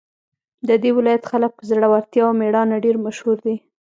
د دې ولایت خلک په زړورتیا او میړانه ډېر مشهور دي